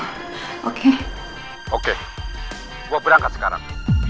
gue berangkat sekarang